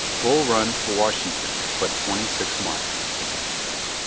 BULL RUN TO WASHINGTON BUT TWKNTY SIX MILES.